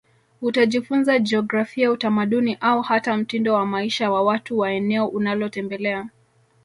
Utajifunza jiografia utamaduni au hata mtindo wa maisha wa watu wa eneo unalotembelea